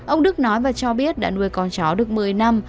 ông đức nói và cho biết đã nuôi con chó được một mươi năm